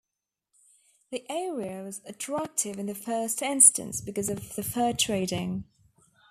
The area was attractive in the first instance because of the fur trading.